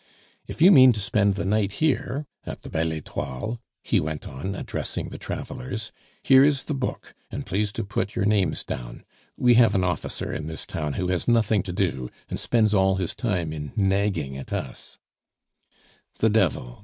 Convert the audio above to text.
If you mean to spend the night here at the Belle Etoile " he went on, addressing the travelers, "here is the book, and please to put your names down. We have an officer in this town who has nothing to do, and spends all his time in nagging at us " "The devil!"